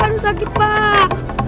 aduh sakit pak